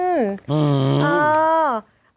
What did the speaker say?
อืม